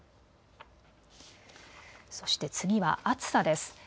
そして次は暑さです。